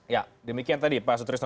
ya demikian tadi pak sutrisno